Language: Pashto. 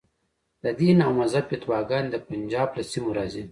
د دین او مذهب فتواګانې د پنجاب له سیمو راځي.